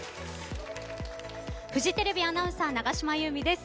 フジテレビアナウンサー永島優美です。